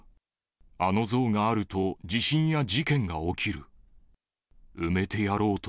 あの像があると、地震や事件が起きる。